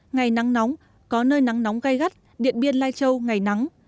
ngày nắng nóng có nơi nắng nóng gai gắt điện biên lai châu ngày nắng